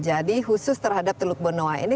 jadi khusus terhadap teluk benoa ini